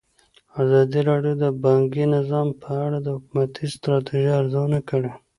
ازادي راډیو د بانکي نظام په اړه د حکومتي ستراتیژۍ ارزونه کړې.